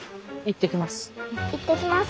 行ってきます。